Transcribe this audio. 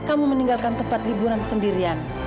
kamu meninggalkan tempat hiburan sendirian